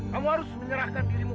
kamu harus menyerahkan diri kamu